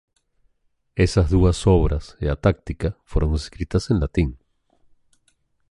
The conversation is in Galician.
Estas dúas obras e a "Táctica" foron escritas en latín.